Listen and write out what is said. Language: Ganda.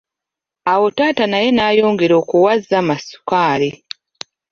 Awo taata naye nayongera okuwa Zama sukaali.